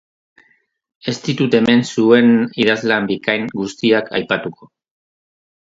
Ez ditut hemen zuen idazlan bikain guztiak aipatuko.